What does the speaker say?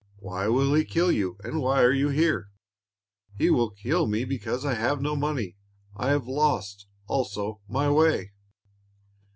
"Why will he kill you, and why are you here?" "He will kill me because I have no money. I have lost, also, my way."